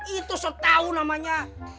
itu so tau namanya